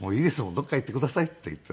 どこか行ってください」って言って。